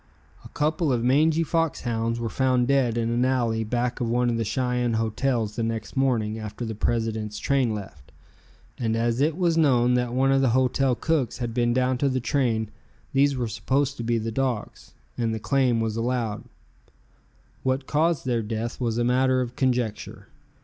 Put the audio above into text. A couple of mangy fox hounds were found dead in an alley back of one of the Cheyenne hotels the next morning after the president's train left, and as it was known that one of the hotel cooks had been down to the train, these were supposed to be the dogs, and the claim was allowed. What caused their death was a matter of conjecture.